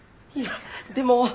いやでも。